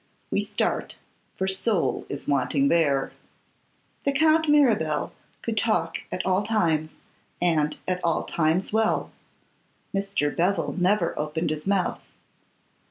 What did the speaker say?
We start, for soul is wanting there! The Count Mirabel could talk at all times, and at all times well; Mr. Bevil never opened his mouth.